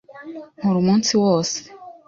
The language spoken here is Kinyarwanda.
Nkora umunsi wose.